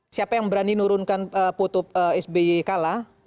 siapa yang berani nurunkan putu sby kalah